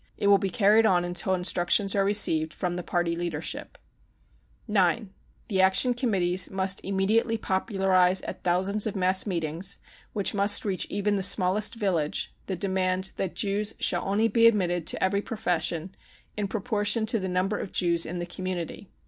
It will be carried on until instructions are received from the party leadership, (9) The Action Committees must immediately popu larise at thousands of mass meetings, which must reach even the smallest village, the demand that Jews shall only be admitted to every profession in proportion to the number of Jews in the community.